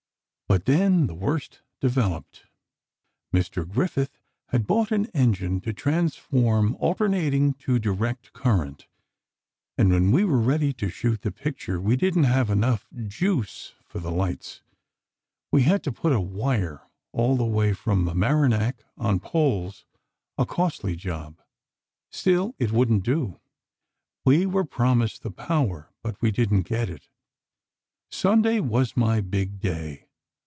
"But then the worst developed. Mr. Griffith had bought an engine to transform alternating to direct current, and when we were ready to shoot the picture, we didn't have enough 'juice' for the lights. We had to put a wire all the way from Mamaroneck, on poles, a costly job. Still it wouldn't do. We were promised the power, but we didn't get it. Sunday was my big day.